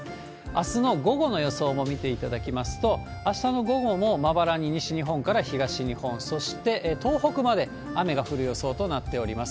あすの午後の予想も見ていただきますと、あしたの午後もまばらに西日本から東日本、そして東北まで雨が降る予想となっております。